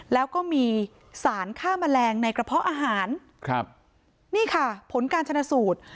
แล้วก็มีสารฆ่าแมลงในกระเพาะอาหารครับนี่ค่ะผลการชนะสูตร